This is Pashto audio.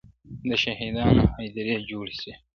د شهیدانو هدیرې جوړي سي؛